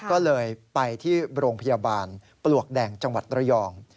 ก็เลยไปที่โรงพยาบาลปลวกแดงจังหวัดระยอง